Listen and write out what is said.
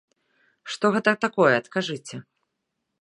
Што гэта такое, адкажыце?